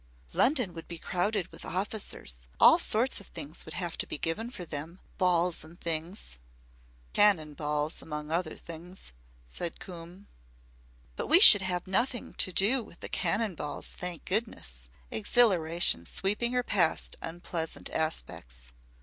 "London would be crowded with officers. All sorts of things would have to be given for them balls and things." "Cannon balls among other things," said Coombe. "But we should have nothing to do with the cannon balls, thank goodness," exhilaration sweeping her past unpleasant aspects.